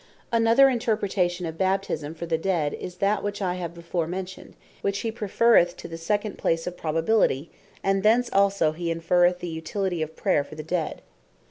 Another interpretation of Baptisme for the Dead, is that which I have before mentioned, which he preferreth to the second place of probability; And thence also he inferreth the utility of Prayer for the Dead.